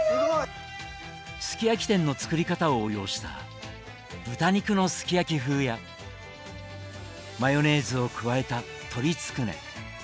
すき焼き店の作り方を応用した豚肉のすき焼き風やマヨネーズを加えた鶏つくね。